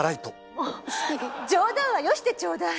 もう冗談はよしてちょうだい！